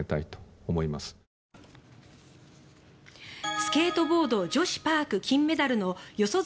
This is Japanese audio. スケートボード女子パーク金メダルの四十住